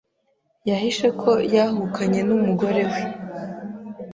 Yahishe ko yahukanye n'umugore we.